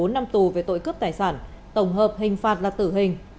bốn năm tù về tội cướp tài sản tổng hợp hình phạt là tử hình